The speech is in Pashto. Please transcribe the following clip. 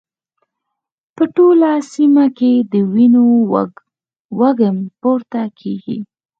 په ټوله سيمه کې د وینو وږم پورته کېږي.